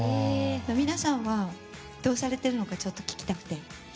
皆さんはどうされてるのかちょっと聞きたくて。